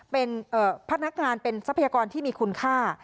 เป็นพนักงานเป็นทรัพยากรที่มีคุณค่า